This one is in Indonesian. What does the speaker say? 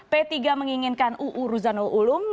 p tiga menginginkan uu ruzanul ulum